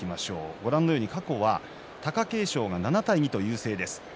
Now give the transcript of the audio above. ご覧のように過去は貴景勝が７対２と優勢です。